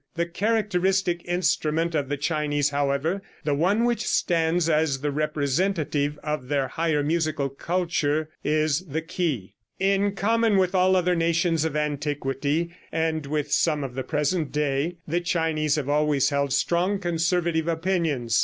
The characteristic instrument of the Chinese, however, the one which stands as the representative of all their higher musical culture, is the ke. In common with all other nations of antiquity, and with some of the present day, the Chinese have always held strong conservative opinions.